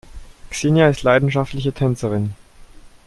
Xenia ist leidenschaftliche Tänzerin.